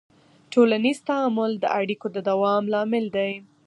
ټولنیز تعامل د اړیکو د دوام لامل دی.